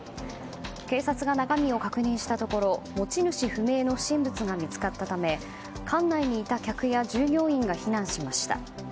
警察が中身を確認したところ持ち主不明の不審物が見つかったため、館内にいた客や従業員が避難しました。